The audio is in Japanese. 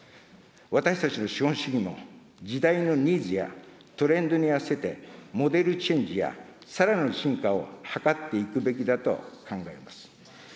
私たちの資本主義も、時代のニーズやトレンドに合わせて、モデルチェンジやさらなる進化を図っていくべきだと考えます。